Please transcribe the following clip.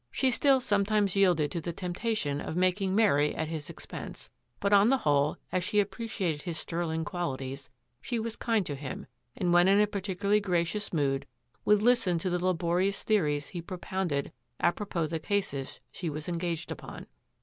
She still sometimes yielded to the temptation of making merry at his expense, but on the whole, as she ap preciated his sterling qualities, she was kind to him, and when in a particularly gracious mood, would listen to the laborious theories he pro pounded apropos the cases she was engaged upon.